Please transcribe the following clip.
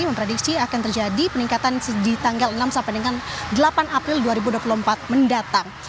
memprediksi akan terjadi peningkatan di tanggal enam sampai dengan delapan april dua ribu dua puluh empat mendatang